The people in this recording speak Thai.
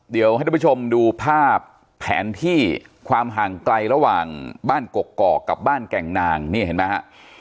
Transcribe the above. เดี๋ยวให้ทุกผู้ชมดูภาพแผนที่ความห่างไกลระหว่างบ้านกกอกกับบ้านแก่งนางนี่เห็นไหมฮะ